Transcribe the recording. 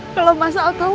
kalau mas al tahu